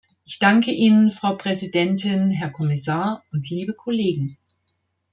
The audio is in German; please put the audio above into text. Ich danke Ihnen, Frau Präsidentin, Herr Kommissar und liebe Kollegen.